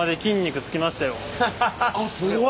あっすごい！